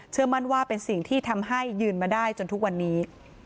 มั่นว่าเป็นสิ่งที่ทำให้ยืนมาได้จนทุกวันนี้